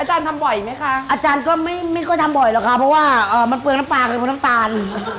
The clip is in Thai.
อาจารย์ก็ไม่ก็ทำบ่อยแล้วค่ะเพราะว่ามันเปลืองน้ำปลาเขินพวกน้ำตาล